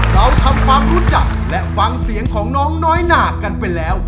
เราทำความรู้จักและฟังเสียงของน้องน้อยหนากันไปแล้ว